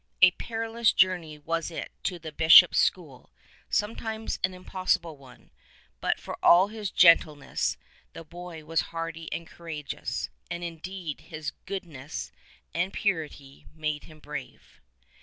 A perilous journey was it to the Bishop's school, sometimes an impossible one ; but for all his gentleness the boy was hardy and courageous, and indeed his goodness and purity made him brave.